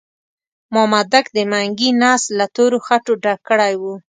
مامدک د منګي نس له تورو خټو ډک کړی وو.